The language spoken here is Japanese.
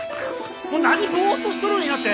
もう何ボーッとしとるんやて！